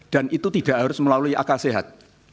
dan itu tidak harus melalui akal sehat